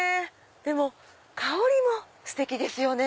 でも香りもステキですよね。